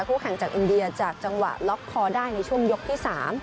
แข่งจากอินเดียจากจังหวะล็อกคอได้ในช่วงยกที่๓